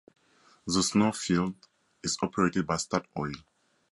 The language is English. The Snorre field is operated by Statoil.